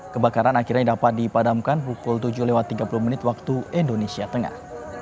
kebakaran akhirnya dapat dipadamkan pukul tujuh lewat tiga puluh menit waktu indonesia tengah